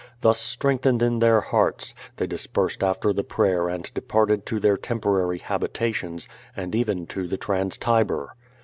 Thus strengthened in their hearts, they dispersed after the prayer and departed to their tem porary habitations, and even to the Trans Tiber.